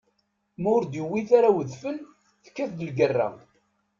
Ma ur d-iwwit ara udfel, tekkat-d lgerra.